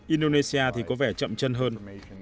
indonesia thì có vẻ chậm chân hơn